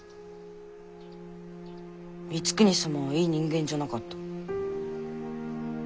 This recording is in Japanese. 光圀様はいい人間じゃなかった。